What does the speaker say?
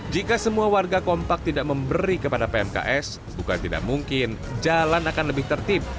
jika semua warga kompak tidak memberi kepada pmks bukan tidak mungkin jalan akan lebih tertib